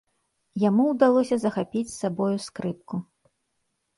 Яму ўдалося захапіць з сабою скрыпку.